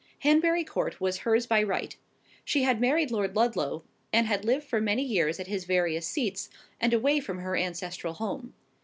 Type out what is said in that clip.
Hanbury Court was hers by right. She had married Lord Ludlow, and had lived for many years at his various seats, and away from her ancestral home.